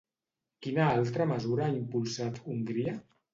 Quina altra mesura ha impulsat Hongria?